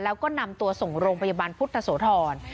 แล้วก็นำตัวส่งโรงพยาบาลพุทธโสธร